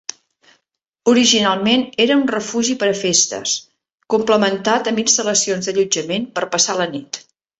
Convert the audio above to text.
Originalment era un refugi per a festes, complementat amb instal·lacions d'allotjament per passar la nit.